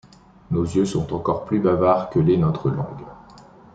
Nos yeux sont encore plus bavards que ne l’est notre langue.